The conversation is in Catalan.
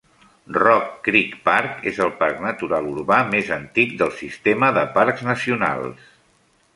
Rock Creek Park és el parc natural urbà més antic del sistema de parcs nacionals.